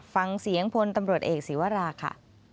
ฟังเสียงพลตำรวจเอกศีวราค่ะ